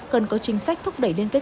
cần có chính sách thúc đẩy liên kết